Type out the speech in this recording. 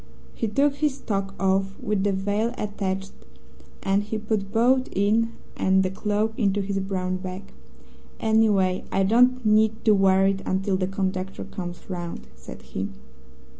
He took his toque off with the veil attached, and he put both it and the cloak into his brown bag. 'Anyway, I don't need to wear it until the conductor comes round,' said he.